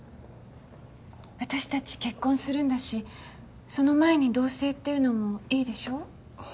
私たち結婚するんだしその前に同棲っていうのもいいでしょ？